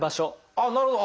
あっなるほど。